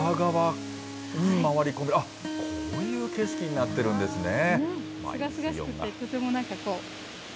あっ、こういう景色になってるんですね。